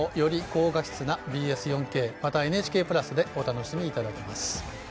高画質なＢＳ４Ｋ、またＮＨＫプラスでお楽しみいただけます。